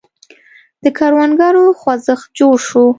د کروندګرو خوځښت جوړ شو.